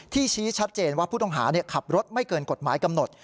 ชี้ชัดเจนว่าผู้ต้องหาขับรถไม่เกินกฎหมายกำหนด